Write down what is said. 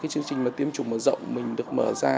chương trình tiêm chủng mở rộng mình được mở ra